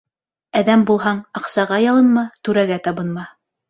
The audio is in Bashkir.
Әҙәм булһаң, аҡсаға ялынма, түрәгә табынма.